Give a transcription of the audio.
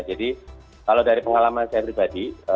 jadi kalau dari pengalaman saya pribadi